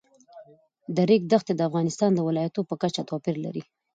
د ریګ دښتې د افغانستان د ولایاتو په کچه توپیر لري.